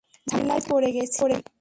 ঝামেলায় পড়ে গেছি!